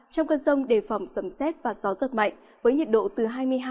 trong cơn rông đề phòng sầm xét và gió rất mạnh